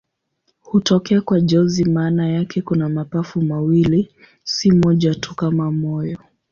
Hutokea kwa jozi maana yake kuna mapafu mawili, si moja tu kama moyo.